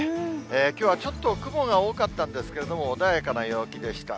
きょうはちょっと雲が多かったんですけれども、穏やかな陽気でした。